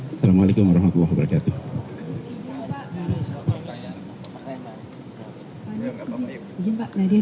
assalamualaikum warahmatullah wabarakatuh